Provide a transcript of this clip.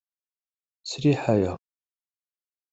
Sriḥ aya.